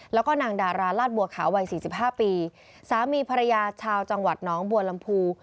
แล้วก็นางดาราลาดบัวขาววัยสี่สิบห้าปีสามีภรรยาชาวจังหวัดน้องบัวลำพู